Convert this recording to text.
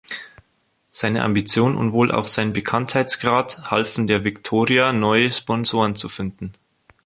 Seine Ambition und wohl auch sein Bekanntheitsgrad halfen der Viktoria, neue Sponsoren zu finden.